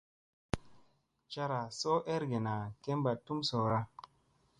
Cara soo ergena kemba tum soora.